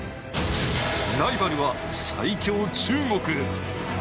ライバルは最強・中国。